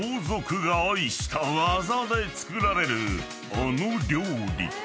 ［あの料理］